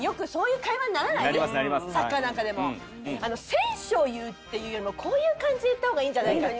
選手を言うっていうよりもこういう感じで言った方がいいんじゃないかって。